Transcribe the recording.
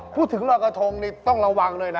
อ๋อพูดถึงรอค์กระทงเนี่ยต้องระวังด้วยนะ